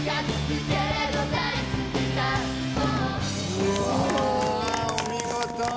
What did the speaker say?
うわお見事！